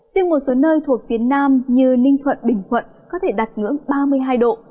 riêng một số nơi thuộc phía nam như ninh thuận bình thuận có thể đạt ngưỡng ba mươi hai độ